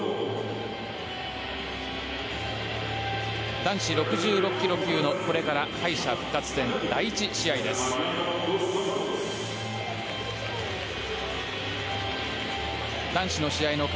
男子６６ｋｇ級、これから敗者復活戦第１試合です。